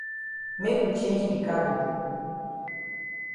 Make we change de cargo.